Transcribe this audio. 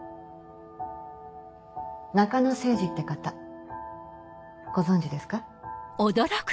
中野誠司って方ご存じですか？